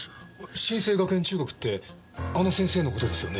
真清学園中学ってあの先生の事ですよね？